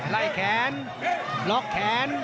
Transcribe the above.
ไล่แขนล็อกแขน